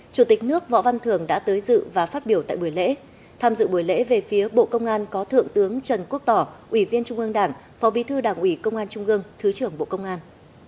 chủ tịch nước võ văn thường đã tới dự và phát biểu tại buổi lễ tham dự buổi lễ về phía bộ công an có thượng tướng trần quốc tỏ ủy viên trung ương đảng phó bí thư đảng ủy công an trung ương thứ trưởng bộ công an